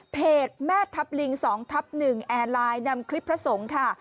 แม่ทัพลิง๒ทับ๑แอร์ไลน์นำคลิปพระสงฆ์ค่ะ